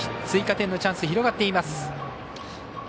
追加点のチャンス広がっています。